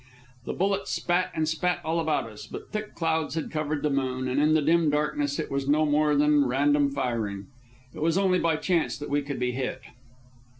The bullets spat and spat all about us; but thick clouds had covered the moon, and in the dim darkness it was no more than random firing. It was only by chance that we could be hit.